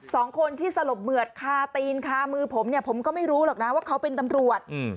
สองคนที่สลบเหมือดคาตีนคามือผมเนี่ยผมก็ไม่รู้หรอกนะว่าเขาเป็นตำรวจ